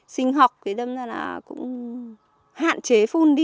sinh học cũng hạn chế